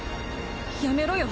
やめろよ